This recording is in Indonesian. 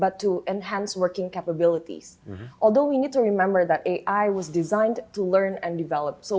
banyak perusahaan mengucapkan bahwa ai tidak harus mengambil upaya untuk mencapai pekerjaan tetapi untuk meningkatkan kapabilitas kerja